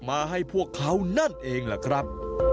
มาให้พวกเขานั่นเองล่ะครับ